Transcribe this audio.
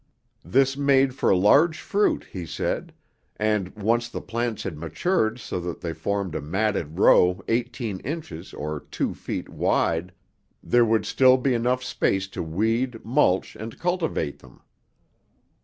This made for large fruit, he said; and, once the plants had matured so that they formed a matted row eighteen inches or two feet wide, there would still be enough space to weed, mulch and cultivate them.